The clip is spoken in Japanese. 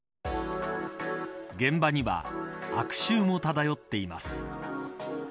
現場には悪臭も漂っています。